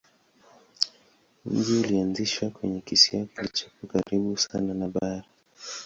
Mji ulianzishwa kwenye kisiwa kilichopo karibu sana na bara.